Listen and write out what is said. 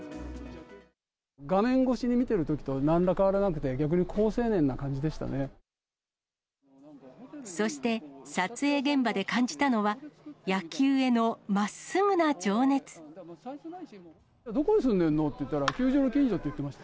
画面越しに見てるときとなんら変わらなくて、そして、撮影現場で感じたのどこに住んでるの？って言ったら、球場の近所って言ってました。